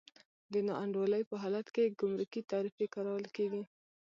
د نا انډولۍ په حالت کې ګمرکي تعرفې کارول کېږي.